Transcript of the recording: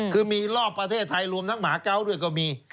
คือมีรอบประเทศไทยรวมทั้งหมาเกาะด้วยก็มี